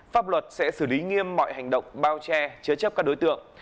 pháp luật sẽ xử lý nghiêm mọi hành động bao che chế chấp các đối tượng